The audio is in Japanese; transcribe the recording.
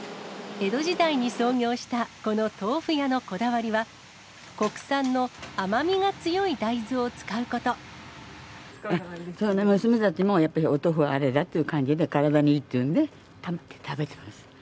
江戸時代に創業したこの豆腐屋のこだわりは、そうね、娘たちもやっぱりお豆腐はあれだっていう感じで、体にいいっていうので、食べてます。